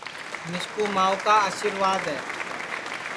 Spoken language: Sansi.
مِسکُو ماؤں کا آسرِواد ہے